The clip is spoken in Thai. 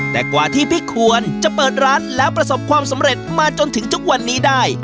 แต่กว่าที่พี่ควรจะเปิดร้านแล้วประสบความสำเร็จมาจนถึงทุกวันนี้ได้